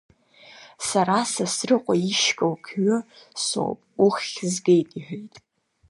Сара Сасрыҟәа ишькыл қҩы соуп, уххь згеит, — иҳәеит.